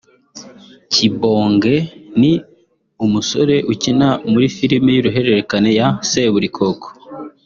Kibonge ni umusore ukina muri Filime y'uruhererekane ya Seburikoko